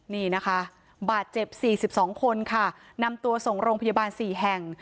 นี่นะคะบาดเจ็บ๔๒คนค่ะนำตัวส่งโรงพยาบาล๔แห่ง